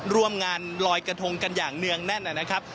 ร่วมงานลอยกระทงกันอย่างเนื่องแน่นนะครับ